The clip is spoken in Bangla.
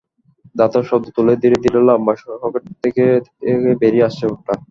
ধাতব শব্দ তুলে ধীরে ধীরে লম্বা সকেট থেকে থেকে বেরিয়ে আসছে ওটা।